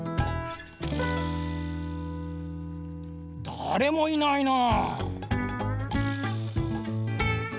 だれもいないな。